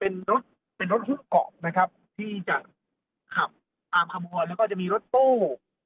เป็นรถเป็นรถหุบเกาะนะครับที่จะขับตามขบวนแล้วก็จะมีรถตู้